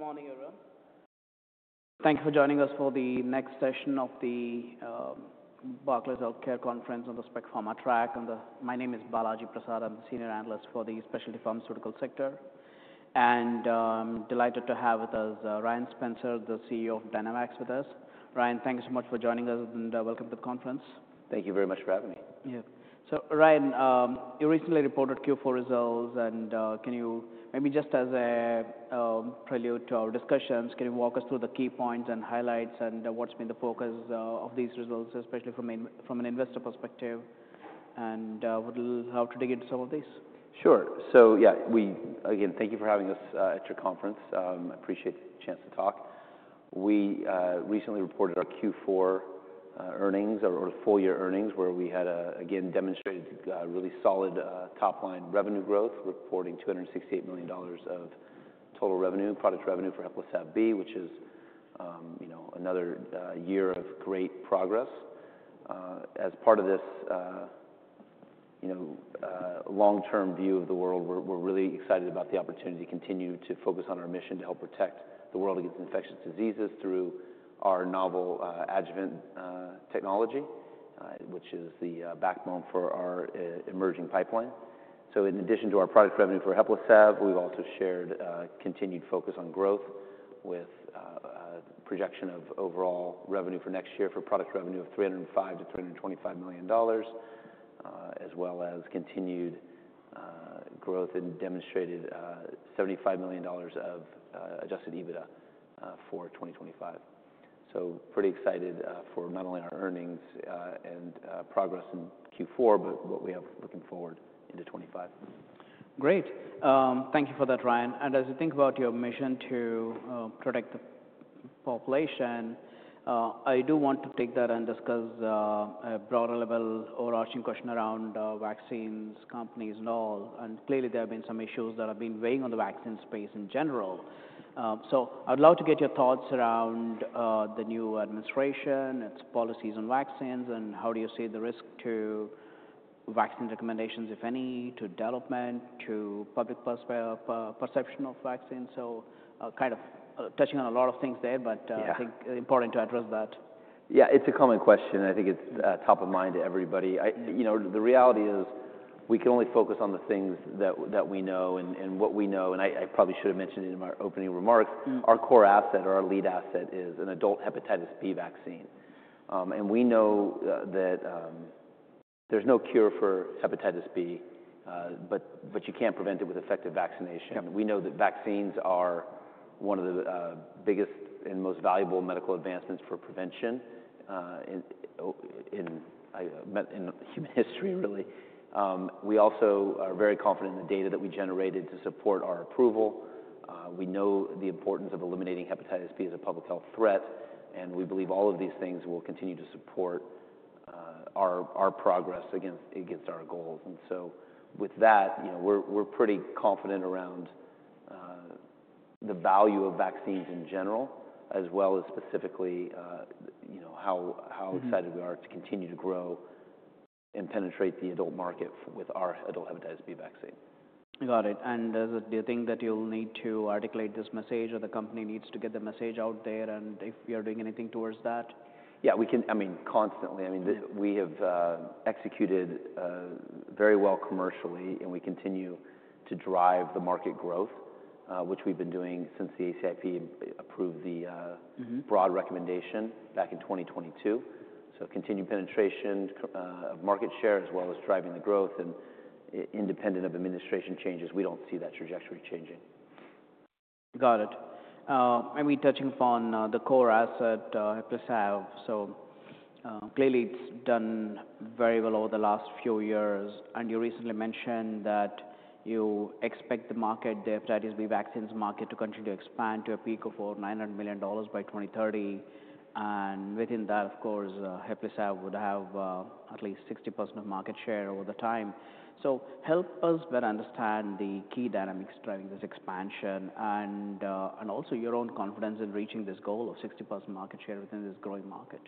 Good morning, everyone. Thank you for joining us for the next session of the Barclays Healthcare Conference on the Spec Pharma track. My name is Balaji Prasad. I'm the Senior Analyst for the Specialty Pharmaceutical sector. Delighted to have with us Ryan Spencer, the CEO of Dynavax, with us. Ryan, thank you so much for joining us and welcome to the conference. Thank you very much for having me. Yeah. Ryan, you recently reported Q4 results. Can you maybe just as a prelude to our discussions, walk us through the key points and highlights and what's been the focus of these results, especially from an investor perspective? How to dig into some of these? Sure. Yeah, we again, thank you for having us at your conference. Appreciate the chance to talk. We recently reported our Q4 earnings, or the full-year earnings, where we had, again, demonstrated really solid top-line revenue growth, reporting $268 million of total revenue, product revenue for Heplisav-B, which is, you know, another year of great progress. As part of this, you know, long-term view of the world, we're really excited about the opportunity to continue to focus on our mission to help protect the world against infectious diseases through our novel adjuvant technology, which is the backbone for our emerging pipeline. In addition to our product revenue for Heplisav, we've also shared continued focus on growth with projection of overall revenue for next year for product revenue of $305-$325 million, as well as continued growth and demonstrated $75 million of adjusted EBITDA for 2025. Pretty excited for not only our earnings and progress in Q4, but what we have looking forward into 2025. Great. Thank you for that, Ryan. As you think about your mission to protect the population, I do want to take that and discuss a broader level overarching question around vaccines, companies, and all. Clearly, there have been some issues that have been weighing on the vaccine space in general. I would love to get your thoughts around the new administration, its policies on vaccines, and how do you see the risk to vaccine recommendations, if any, to development, to public perception of vaccines? Kind of touching on a lot of things there, but I think it's important to address that. Yeah. It's a common question. I think it's top of mind to everybody. I, you know, the reality is we can only focus on the things that we know and what we know. And I probably should have mentioned in our opening remarks. Mm-hmm. Our core asset or our lead asset is an adult hepatitis B vaccine. We know that there's no cure for hepatitis B, but you can prevent it with effective vaccination. Yeah. We know that vaccines are one of the biggest and most valuable medical advancements for prevention in human history, really. We also are very confident in the data that we generated to support our approval. We know the importance of eliminating hepatitis B as a public health threat. We believe all of these things will continue to support our progress against our goals. With that, you know, we're pretty confident around the value of vaccines in general, as well as specifically, you know, how excited we are to continue to grow and penetrate the adult market with our adult hepatitis B vaccine. Got it. Do you think that you'll need to articulate this message, or the company needs to get the message out there, and if you're doing anything towards that? Yeah. We can, I mean, constantly. I mean, we have executed very well commercially, and we continue to drive the market growth, which we've been doing since the ACIP approved the, Mm-hmm. Broad recommendation back in 2022. Continued penetration of market share, as well as driving the growth. Independent of administration changes, we do not see that trajectory changing. Got it. I mean, touching upon the core asset, Heplisav. Clearly, it's done very well over the last few years. You recently mentioned that you expect the market, the hepatitis B vaccines market, to continue to expand to a peak of over $900 million by 2030. Within that, of course, Heplisav would have at least 60% of market share over the time. Help us better understand the key dynamics driving this expansion and also your own confidence in reaching this goal of 60% market share within this growing market.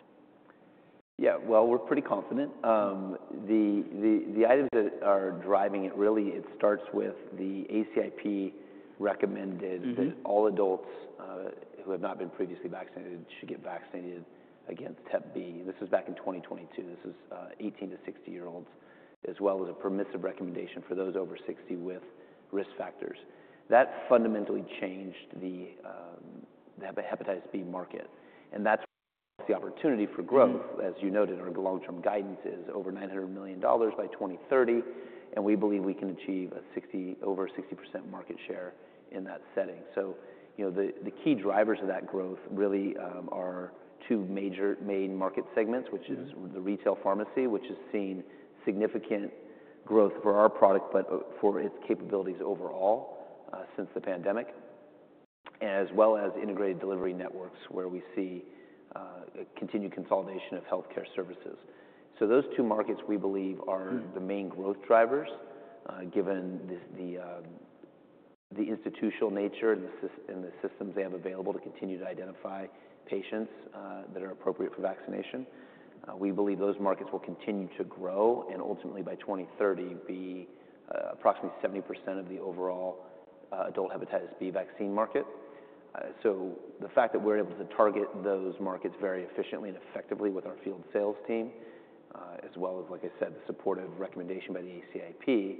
Yeah. We're pretty confident. The items that are driving it really, it starts with the ACIP recommended. Mm-hmm. That all adults, who have not been previously vaccinated should get vaccinated against Hep B. This was back in 2022. This was, 18- to 60-year-olds, as well as a permissive recommendation for those over 60 with risk factors. That fundamentally changed the hepatitis B market. That is the opportunity for growth, as you noted in our long-term guidances, over $900 million by 2030. We believe we can achieve a 60% market share in that setting. You know, the key drivers of that growth really are two major main market segments, which is. Mm-hmm. The retail pharmacy, which has seen significant growth for our product, but for its capabilities overall, since the pandemic, as well as integrated delivery networks, where we see continued consolidation of healthcare services. Those two markets, we believe, are the main growth drivers, given this, the institutional nature and the systems they have available to continue to identify patients that are appropriate for vaccination. We believe those markets will continue to grow and ultimately, by 2030, be approximately 70% of the overall adult hepatitis B vaccine market. The fact that we're able to target those markets very efficiently and effectively with our field sales team, as well as, like I said, the supportive recommendation by the ACIP,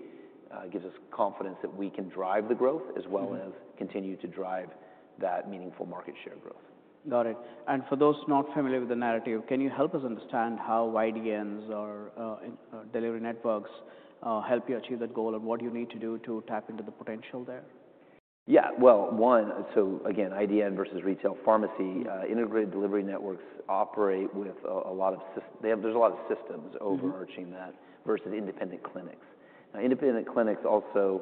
gives us confidence that we can drive the growth as well as continue to drive that meaningful market share growth. Got it. For those not familiar with the narrative, can you help us understand how IDNs, or integrated delivery networks, help you achieve that goal and what you need to do to tap into the potential there? Yeah. One, so again, IDN versus retail pharmacy, integrated delivery networks operate with a lot of systems. They have, there's a lot of systems overarching that versus independent clinics. Now, independent clinics also,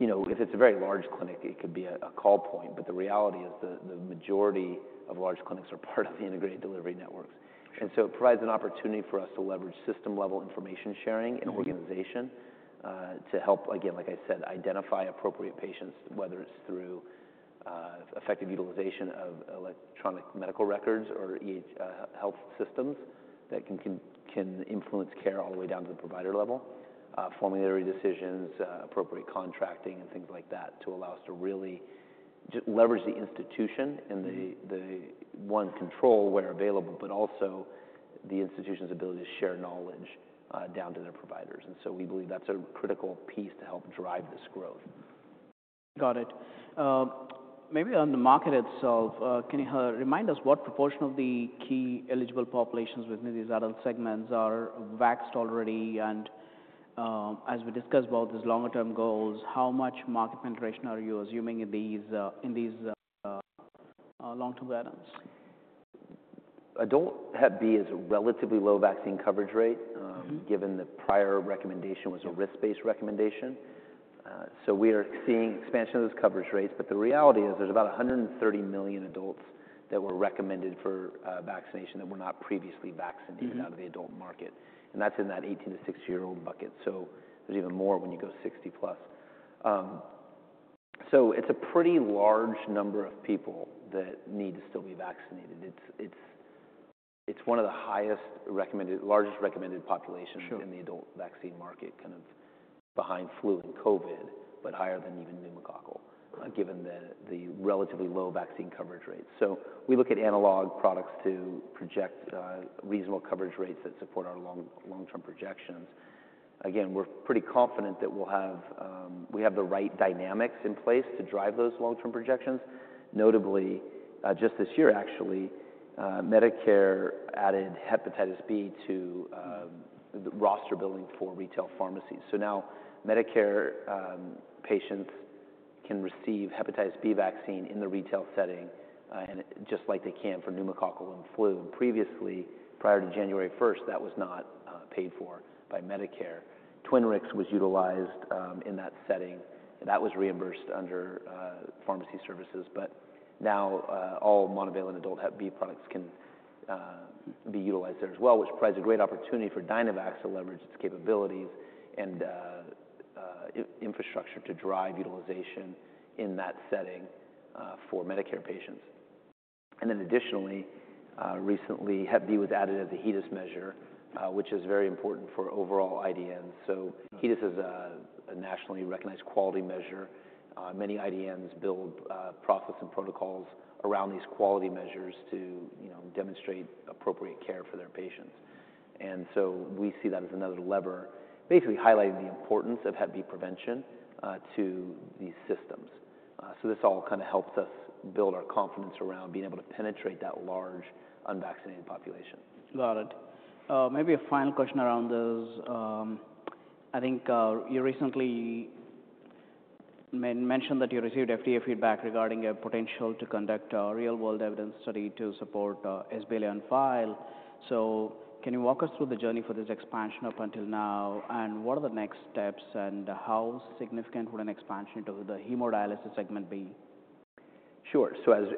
you know, if it's a very large clinic, it could be a call point. The reality is the majority of large clinics are part of the integrated delivery networks. Sure. It provides an opportunity for us to leverage system-level information sharing and organization. Mm-hmm. to help, again, like I said, identify appropriate patients, whether it's through effective utilization of electronic medical records or health systems that can influence care all the way down to the provider level, formulating decisions, appropriate contracting, and things like that to allow us to really just leverage the institution and the one control where available, but also the institution's ability to share knowledge down to their providers. We believe that's a critical piece to help drive this growth. Got it. Maybe on the market itself, can you help remind us what proportion of the key eligible populations within these adult segments are vaxxed already? As we discussed about these longer-term goals, how much market penetration are you assuming in these, in these, long-term patterns? Adult Hep B has a relatively low vaccine coverage rate. Mm-hmm. Given the prior recommendation was a risk-based recommendation. We are seeing expansion of those coverage rates. The reality is there's about 130 million adults that were recommended for vaccination that were not previously vaccinated. Mm-hmm. Out of the adult market. That is in that 18 to 60-year-old bucket. There is even more when you go 60-plus. It is a pretty large number of people that need to still be vaccinated. It is one of the highest recommended, largest recommended population. Sure. Within the adult vaccine market, kind of behind flu and COVID, but higher than even pneumococcal, given the relatively low vaccine coverage rates. We look at analog products to project reasonable coverage rates that support our long-term projections. Again, we're pretty confident that we have the right dynamics in place to drive those long-term projections. Notably, just this year, actually, Medicare added hepatitis B to the roster billing for retail pharmacies. Now Medicare patients can receive hepatitis B vaccine in the retail setting, just like they can for pneumococcal and flu. Previously, prior to January 1, that was not paid for by Medicare. Twinrix was utilized in that setting, and that was reimbursed under pharmacy services. Now, all monovalent adult Hep B products can be utilized there as well, which provides a great opportunity for Dynavax to leverage its capabilities and infrastructure to drive utilization in that setting for Medicare patients. Additionally, recently, Hep B was added as a HEDIS measure, which is very important for overall IDNs. Mm-hmm. HEDIS is a nationally recognized quality measure. Many IDNs build process and protocols around these quality measures to, you know, demonstrate appropriate care for their patients. We see that as another lever, basically highlighting the importance of Hep B prevention to these systems. This all kind of helps us build our confidence around being able to penetrate that large unvaccinated population. Got it. Maybe a final question around this. I think you recently mentioned that you received FDA feedback regarding a potential to conduct a real-world evidence study to support, sBLEON5. Can you walk us through the journey for this expansion up until now, and what are the next steps, and how significant would an expansion to the hemodialysis segment be? Sure.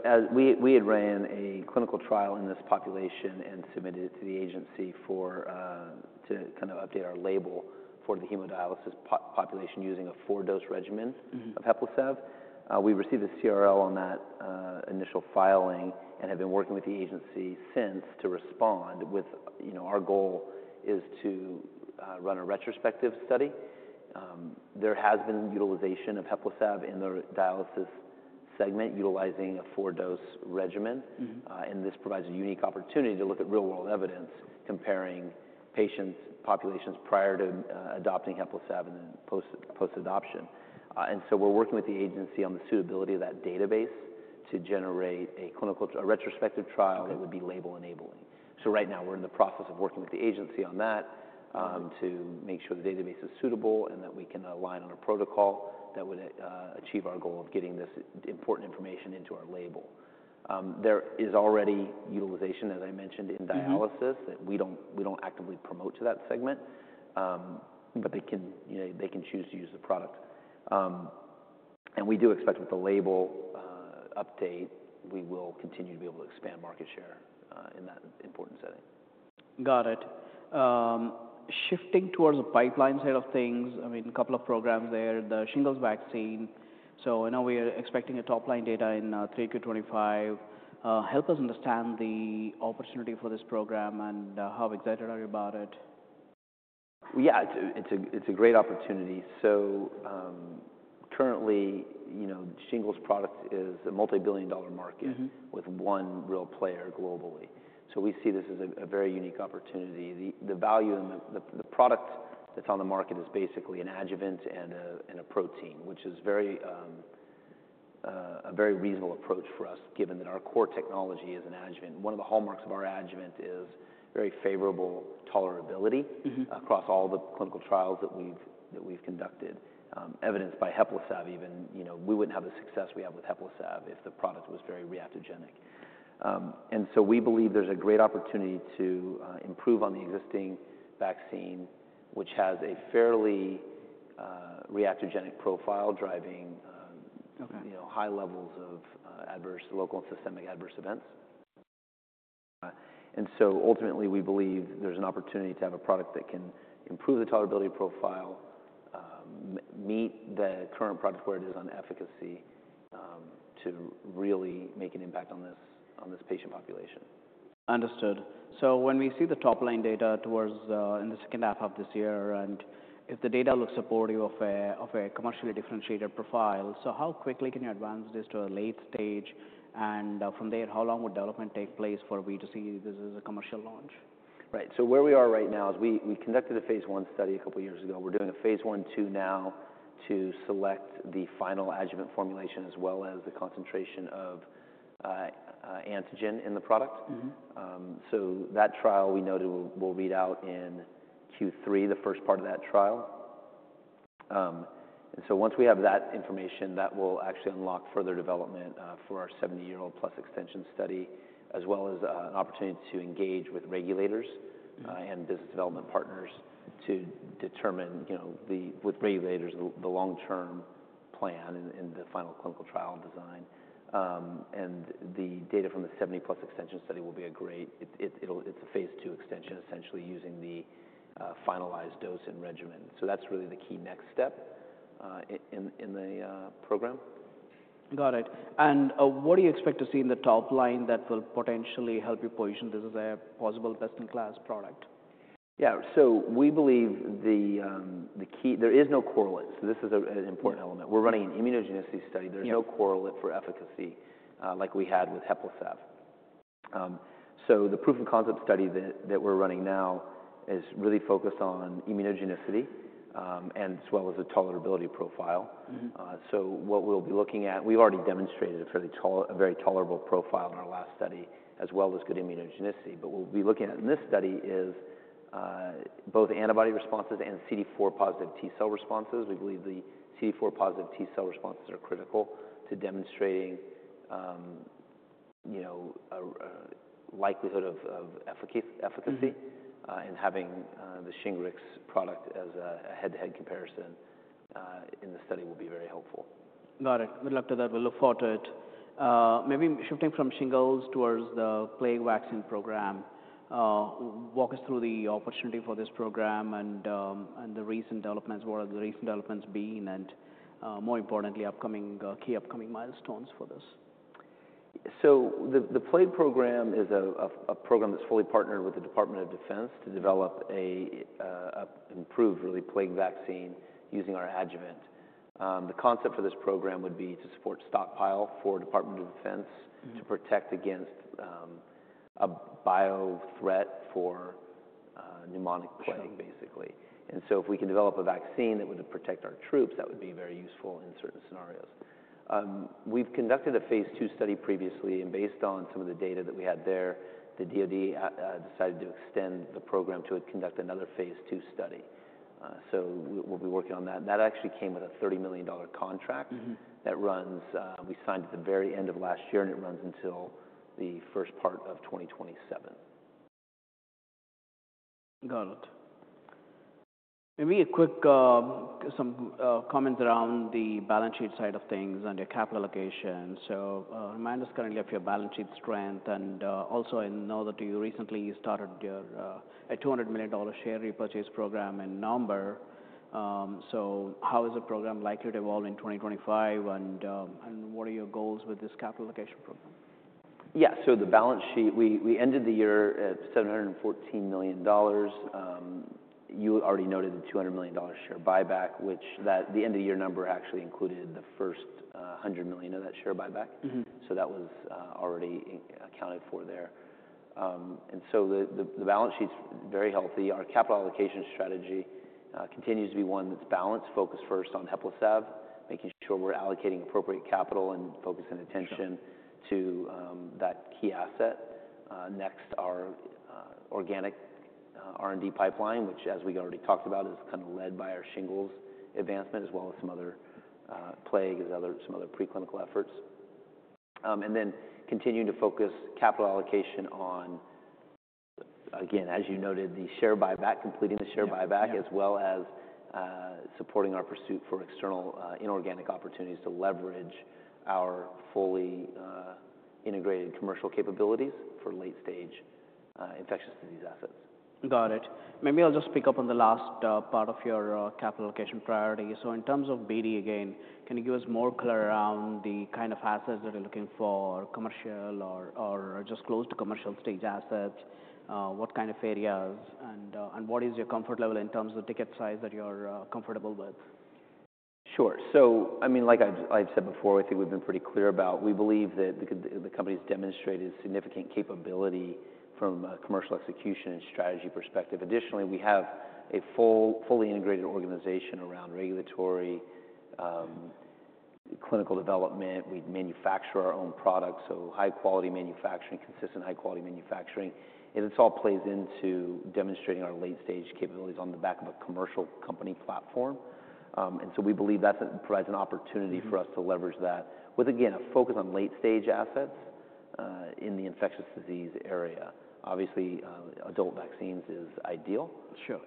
As we had ran a clinical trial in this population and submitted it to the agency to kind of update our label for the hemodialysis population using a four-dose regimen. Mm-hmm. Of Heplisav, we received a CRL on that initial filing and have been working with the agency since to respond with, you know, our goal is to run a retrospective study. There has been utilization of Heplisav in the dialysis segment utilizing a four-dose regimen. Mm-hmm. This provides a unique opportunity to look at real-world evidence comparing patient populations prior to adopting Heplisav-B and then post, post-adoption. We are working with the agency on the suitability of that database to generate a clinical, a retrospective trial that would be label-enabling. Right now, we are in the process of working with the agency on that. Mm-hmm. To make sure the database is suitable and that we can align on a protocol that would achieve our goal of getting this important information into our label. There is already utilization, as I mentioned, in dialysis that we don't actively promote to that segment, but they can, you know, they can choose to use the product. We do expect with the label update, we will continue to be able to expand market share in that important setting. Got it. Shifting towards the pipeline side of things, I mean, a couple of programs there, the shingles vaccine. I know we are expecting top-line data in 3Q 2025. Help us understand the opportunity for this program and how excited are you about it? Yeah. It's a great opportunity. Currently, you know, shingles product is a multi-billion-dollar market. Mm-hmm. With one real player globally. We see this as a very unique opportunity. The value in the product that's on the market is basically an adjuvant and a protein, which is a very reasonable approach for us, given that our core technology is an adjuvant. One of the hallmarks of our adjuvant is very favorable tolerability. Mm-hmm. Across all the clinical trials that we've conducted, evidenced by Heplisav even. You know, we wouldn't have the success we have with Heplisav if the product was very reactogenic. We believe there's a great opportunity to improve on the existing vaccine, which has a fairly reactogenic profile driving, Okay. You know, high levels of adverse local and systemic adverse events. Ultimately, we believe there's an opportunity to have a product that can improve the tolerability profile, meet the current product where it is on efficacy, to really make an impact on this patient population. Understood. When we see the top-line data towards, in the second half of this year, and if the data looks supportive of a commercially differentiated profile, how quickly can you advance this to a late stage? From there, how long would development take place for we to see this as a commercial launch? Right. Where we are right now is we conducted a phase I study a couple of years ago. We're doing a phase I/II now to select the final adjuvant formulation as well as the concentration of antigen in the product. Mm-hmm. That trial we noted will read out in Q3, the first part of that trial. And so once we have that information, that will actually unlock further development for our 70-year-old plus extension study, as well as an opportunity to engage with regulators. Mm-hmm. and business development partners to determine, you know, with regulators, the long-term plan and the final clinical trial design. The data from the 70-plus extension study will be a great, it, it'll, it's a phase two extension, essentially using the finalized dose and regimen. That's really the key next step in the program. Got it. What do you expect to see in the top line that will potentially help you position this as a possible best-in-class product? Yeah. We believe the key there is no correlate. This is an important element. Mm-hmm. We're running an immunogenicity study. Sure. There's no correlate for efficacy, like we had with Heplisav-B. The proof of concept study that we're running now is really focused on immunogenicity, as well as the tolerability profile. Mm-hmm. What we'll be looking at, we've already demonstrated a very tolerable profile in our last study, as well as good immunogenicity. What we'll be looking at in this study is both antibody responses and CD4-positive T-cell responses. We believe the CD4-positive T-cell responses are critical to demonstrating, you know, a likelihood of efficacy. Mm-hmm. Having the Shingrix product as a head-to-head comparison in the study will be very helpful. Got it. We'll look to that. We'll look forward to it. Maybe shifting from shingles towards the plague vaccine program, walk us through the opportunity for this program and the recent developments. What are the recent developments being, and, more importantly, key upcoming milestones for this? The plague program is a program that's fully partnered with the Department of Defense to develop a improved, really, plague vaccine using our adjuvant. The concept for this program would be to support stockpile for Department of Defense. Mm-hmm. To protect against a bio threat for pneumonic plague, basically. Sure. If we can develop a vaccine that would protect our troops, that would be very useful in certain scenarios. We have conducted a phase two study previously, and based on some of the data that we had there, the DOD decided to extend the program to conduct another phase two study. We will be working on that. That actually came with a $30 million contract. Mm-hmm. That runs, we signed at the very end of last year, and it runs until the first part of 2027. Got it. Maybe a quick, some, comments around the balance sheet side of things and your capital allocation. Remind us currently of your balance sheet strength. Also, I know that you recently started your $200 million share repurchase program in November. How is the program likely to evolve in 2025? What are your goals with this capital allocation program? Yeah. The balance sheet, we ended the year at $714 million. You already noted the $200 million share buyback, which the end-of-year number actually included the first $100 million of that share buyback. Mm-hmm. That was already accounted for there, and the balance sheet's very healthy. Our capital allocation strategy continues to be one that's balanced, focused first on Heplisav, making sure we're allocating appropriate capital and focusing attention. Sure. To that key asset. Next are organic R&D pipeline, which, as we already talked about, is kind of led by our shingles advancement, as well as some other plague and some other preclinical efforts. Then continuing to focus capital allocation on, again, as you noted, the share buyback, completing the share buyback. Mm-hmm. As well as, supporting our pursuit for external, inorganic opportunities to leverage our fully integrated commercial capabilities for late-stage, infectious disease assets. Got it. Maybe I'll just pick up on the last part of your capital allocation priority. In terms of BD, again, can you give us more color around the kind of assets that you're looking for, commercial or just close to commercial stage assets? What kind of areas? And what is your comfort level in terms of the ticket size that you're comfortable with? Sure. I mean, like I've said before, I think we've been pretty clear about we believe that the company's demonstrated significant capability from a commercial execution and strategy perspective. Additionally, we have a fully integrated organization around regulatory, clinical development. We manufacture our own products, so high-quality manufacturing, consistent high-quality manufacturing. This all plays into demonstrating our late-stage capabilities on the back of a commercial company platform. We believe that provides an opportunity for us to leverage that with, again, a focus on late-stage assets in the infectious disease area. Obviously, adult vaccines is ideal. Sure.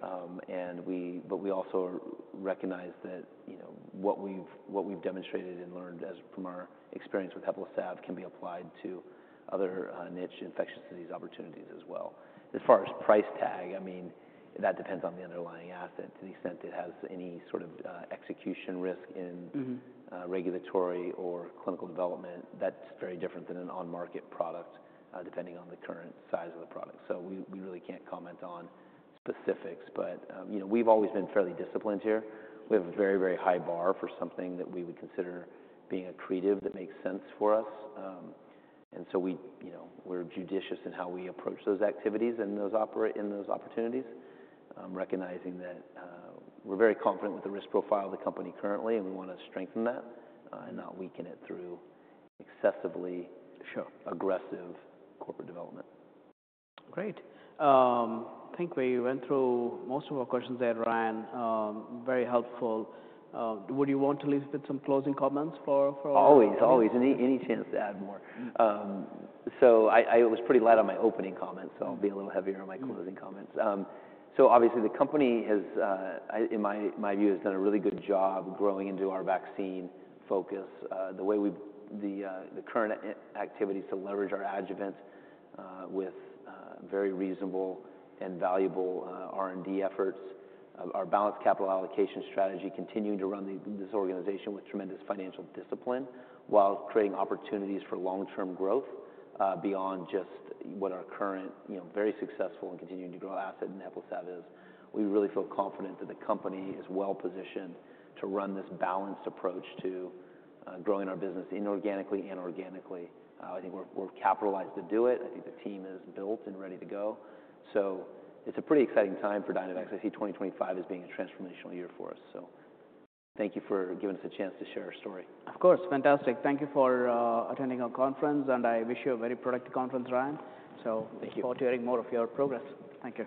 We also recognize that, you know, what we've demonstrated and learned as from our experience with Heplisav can be applied to other, niche infectious disease opportunities as well. As far as price tag, I mean, that depends on the underlying asset to the extent it has any sort of execution risk in. Mm-hmm. Regulatory or clinical development. That's very different than an on-market product, depending on the current size of the product. We really can't comment on specifics, but, you know, we've always been fairly disciplined here. We have a very, very high bar for something that we would consider being accretive that makes sense for us. And so we, you know, we're judicious in how we approach those activities and those opportunities, recognizing that we're very confident with the risk profile of the company currently, and we want to strengthen that, and not weaken it through excessively. Sure. Aggressive corporate development. Great. Thank you. You went through most of our questions there, Ryan. Very helpful. Would you want to leave with some closing comments for, for? Always, always. Any chance to add more. Mm-hmm. I was pretty light on my opening comments, so I'll be a little heavier on my closing comments. Obviously, the company has, in my view, done a really good job growing into our vaccine focus. The way we've, the current activities to leverage our adjuvant, with very reasonable and valuable R&D efforts, our balanced capital allocation strategy, continuing to run this organization with tremendous financial discipline while creating opportunities for long-term growth, beyond just what our current, you know, very successful and continuing to grow asset in Heplisav is. We really feel confident that the company is well-positioned to run this balanced approach to growing our business inorganically and organically. I think we're capitalized to do it. I think the team is built and ready to go. It's a pretty exciting time for Dynavax. I see 2025 as being a transformational year for us. Thank you for giving us a chance to share our story. Of course. Fantastic. Thank you for attending our conference, and I wish you a very productive conference, Ryan. Thank you. Look forward to hearing more of your progress. Thank you.